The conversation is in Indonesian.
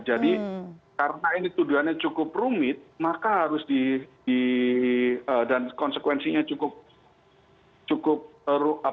jadi karena ini tuduhannya cukup rumit maka harus di dan konsekuensinya cukup rumit